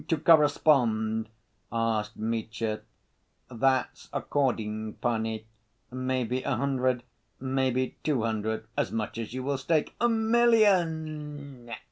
To correspond?" asked Mitya. "That's according, panie, maybe a hundred, maybe two hundred, as much as you will stake." "A million!"